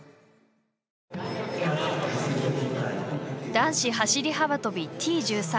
男子走り幅跳びＴ１３